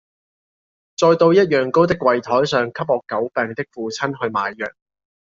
再到一樣高的櫃臺上給我久病的父親去買藥。